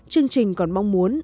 chương trình còn mong muốn